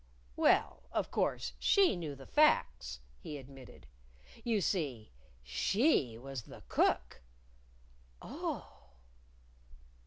"Well, of course she knew the facts," he admitted "You see, she was the cook." "Oh!"